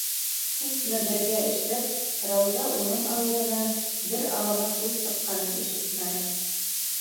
Күпме бергә эшләп, Рауза уның ауыҙынан бер алама һүҙ сыҡҡанын ишетмәне.